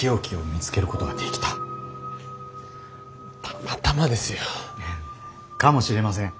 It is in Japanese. たまたまですよ。かもしれません。